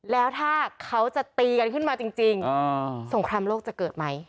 แล้วถ้าเขาจะตีกันขึ้นมาจริงสงครามโลกจะเกิดไหม